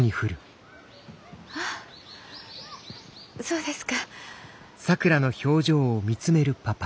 あそうですか。